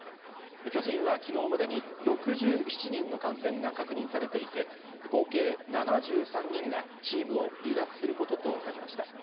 巨人はきのうまでに６７人の感染が確認されていて、合計７３人が、チームを離脱することとなりました。